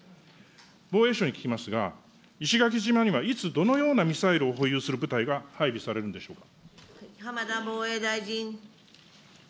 防衛省に聞きますが、石垣島にはいつ、どのようなミサイルを保有する部隊が配備されるんでしょうか。